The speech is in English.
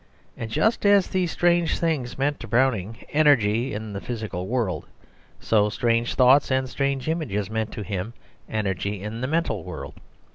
And just as these strange things meant to Browning energy in the physical world, so strange thoughts and strange images meant to him energy in the mental world.